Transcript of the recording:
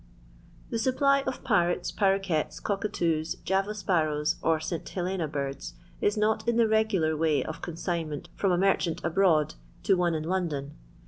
The supply of parrots, paroqneta, cockatoei^ Java sparrows, or St. Helena birds, is not m ths regular way of consignment from a merchant abroad to one in London.